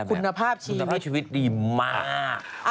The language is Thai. คุณภาพชีวิตดีมาก